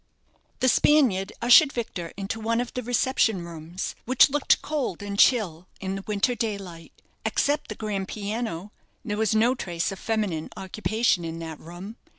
_" The Spaniard ushered Victor into one of the reception rooms, which looked cold and chill in the winter daylight. Except the grand piano, there was no trace of feminine occupation in the room.